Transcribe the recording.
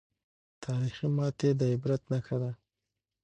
تاریخي ماتې د عبرت نښه ده.